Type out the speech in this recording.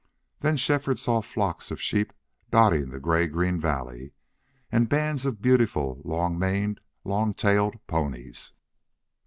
Then Shefford saw flocks of sheep dotting the gray green valley, and bands of beautiful long maned, long tailed ponies.